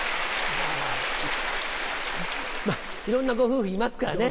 いろんなご夫婦いますからね。